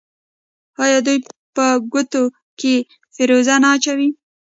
آیا دوی په ګوتو کې فیروزه نه اچوي؟